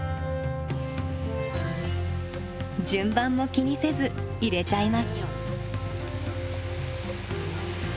順番も気にせず入れちゃいます。